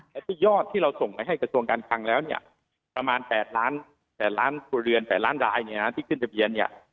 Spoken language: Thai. และที่ยอดที่เราส่งไปให้กระทรวงการคลังแล้วเนี่ยประมาณ๘ล้าน๘ล้านครัวเรือน๘ล้านรายเนี่ยนะที่ขึ้นทะเบียนเนี่ย